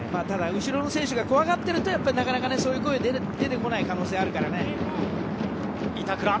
ただ、後ろの選手が怖がっているとなかなか、そういう声が出てこない可能性があるからね。